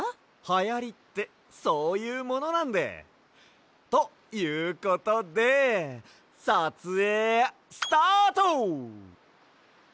はやりってそういうものなんで。ということでさつえいスタート！